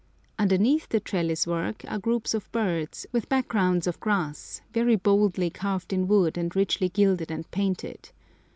Underneath the trellis work are groups of birds, with backgrounds of grass, very boldly carved in wood and richly gilded and painted.